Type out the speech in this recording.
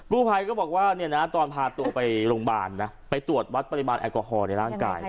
ผู้ภัยก็บอกว่าตอนพาตัวไปโรงพยาบาลนะไปตรวจวัดปริมาณแอลกอฮอลในร่างกาย